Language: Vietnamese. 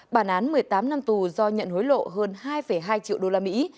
bản án một mươi tám năm tù do nhận hối lộ hơn hai hai triệu usd